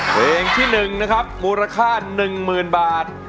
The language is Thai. เพลงที่๑นะครับมูลค่า๑๐๐๐บาท